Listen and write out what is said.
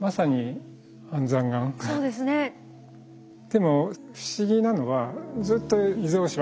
でも不思議なのはずっと伊豆大島